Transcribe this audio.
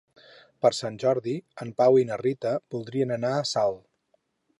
Per Sant Jordi en Pau i na Rita voldrien anar a Salt.